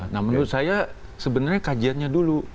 nah menurut saya sebenarnya kajiannya dulu